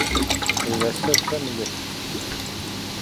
Elle est la seule femme à y assister.